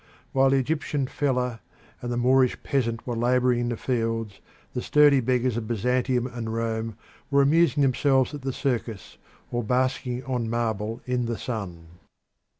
While the Egyptian fellah and the Moorish peasant were labouring in the fields, the sturdy beggars of Byzantium and Rome were amusing themselves at the circus or basking on marble in the sun.